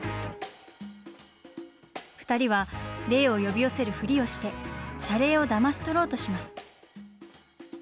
２人は霊を呼び寄せるふりをして謝礼をだまし取ろうとします。